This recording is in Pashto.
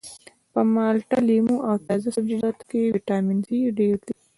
په مالټه لیمو او تازه سبزیجاتو کې ویټامین سي ډیر وي